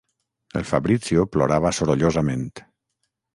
El Fabrizio plorava sorollosament.